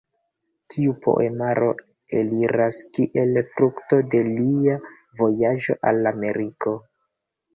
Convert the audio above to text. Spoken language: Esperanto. Tiu poemaro eliras kiel frukto de lia vojaĝo al Ameriko.